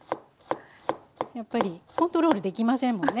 やっぱりコントロール出来ませんもんね